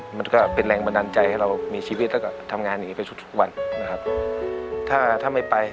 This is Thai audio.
มันก็เป็นแรงบันดาลใจให้เรามีชีวิตและทำงานแบบนี้ไปทุกวัน